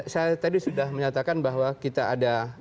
saya tadi sudah menyatakan bahwa kita ada